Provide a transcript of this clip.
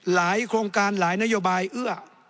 โครงการหลายนโยบายเอื้อ